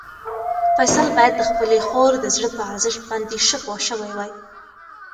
فیصل باید د خپلې خور د زړه په ارزښت باندې ښه پوه شوی وای.